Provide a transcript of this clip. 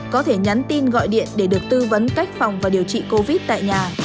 có thể nhắn tin gọi điện để được tư vấn cách phòng và điều trị covid tại nhà